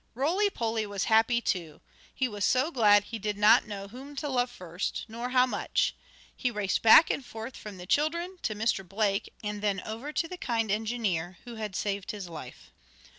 Roly Poly was happy too. He was so glad that he did not know whom to love first, nor how much. He raced back and forth from the children to Mr. Blake, and then over to the kind engineer, who had saved his life.